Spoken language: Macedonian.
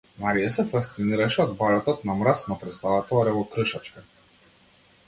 Марија се фасцинираше од балетот на мраз на претставата Оревокршачка.